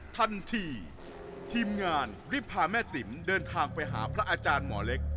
ทันทีทีมงานรีบพาแม่ติ๋มเดินทางไปหาพระอาจารย์หมอเล็ก